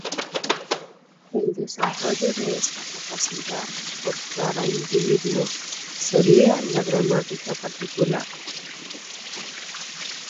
El desarrollo de esta capacidad por cada individuo sería la gramática particular.